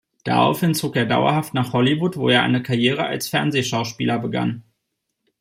Daraufhin zog er dauerhaft nach Hollywood, wo er eine Karriere als Fernsehschauspieler begann.